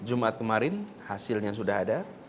jumat kemarin hasilnya sudah ada